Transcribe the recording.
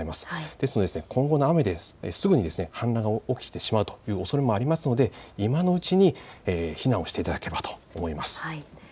ですので今後の雨ですぐに氾濫が起きてしまうというおそれもありますので今のうちに避難をしていただければと思います。